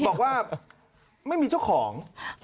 บอกว่าไม่มีเจ้าของ